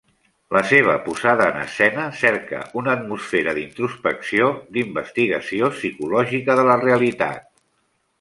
La seva posada en escena cerca una atmosfera d'introspecció, d'investigació psicològica de la realitat.